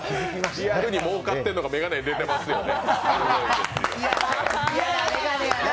リアルにもうかっているのが眼鏡に出てますよね。